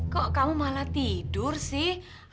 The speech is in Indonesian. kok kamu malah tidur sih